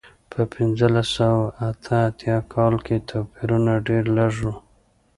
په پنځلس سوه اته اتیا کال کې توپیرونه ډېر لږ و.